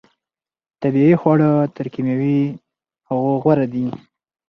طبیعي خواړه تر کیمیاوي هغو غوره دي.